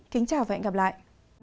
kính chào và hẹn gặp lại